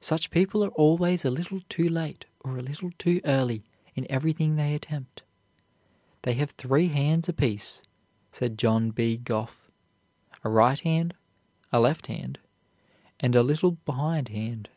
Such people are always a little too late or a little too early in everything they attempt. "They have three hands apiece," said John B. Gough; "a right hand, a left hand, and a little behindhand."